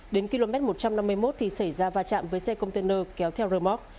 đến km một trăm năm mươi một thì xảy ra va chạm với xe container kéo theo rơm óc